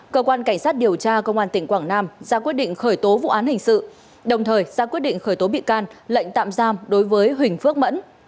cơ quan cảnh sát điều tra công an tỉnh quảng nam ra quyết định khởi tố vụ án hình sự đồng thời ra quyết định khởi tố bị can lệnh tạm giam đối với huỳnh phước mẫn